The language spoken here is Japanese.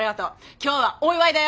今日はお祝いだよ。